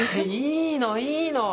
いいのいいの！